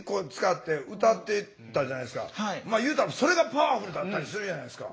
まあ言うたらそれがパワフルだったりするじゃないですか。